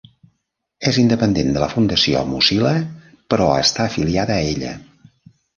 És independent de la Fundació Mozilla, però està afiliada a ella.